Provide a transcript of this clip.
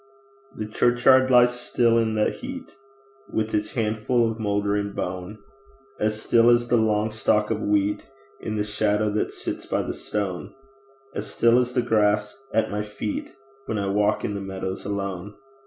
The churchyard lies still in the heat, With its handful of mouldering bone; As still as the long stalk of wheat In the shadow that sits by the stone, As still as the grass at my feet When I walk in the meadows alone.